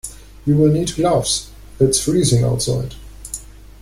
You will need gloves; it's freezing outside.